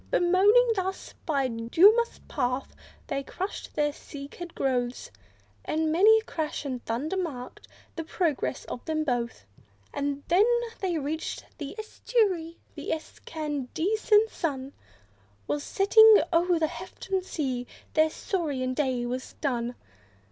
Bemoaning thus, by dumous path, they crushed the cycad's growth, And many a crash, and thunder, marked the progress of them both. And when they reached the estuary, the excandescent sun Was setting o'er the hefted sea; their saurian day was done.